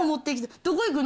どこ行くの？